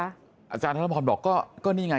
อาจารย์ทานละพอมบอกว่า